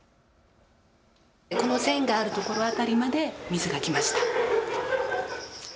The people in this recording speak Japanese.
この線があるところ辺りまで水が来ました。